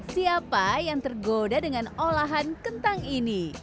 siapa yang tergoda dengan olahan kentang ini